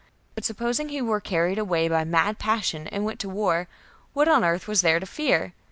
But supposing he were carried away by mad passion and went to war, what on earth was there to fear